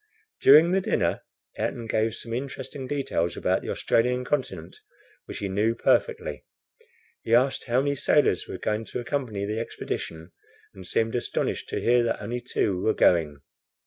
During the dinner, Ayrton gave some interesting details about the Australian continent, which he knew perfectly. He asked how many sailors were going to accompany the expedition, and seemed astonished to hear that only two were going.